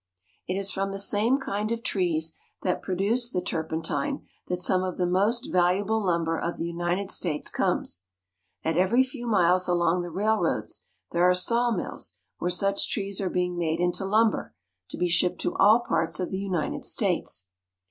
It is from the same kind of trees that produce the tur pentine that some of the most valuable lumber of the United States comes. At every few miles along the rail roads there are sawmills where such trees are being made into lumber, to be shipped to all parts of the United States.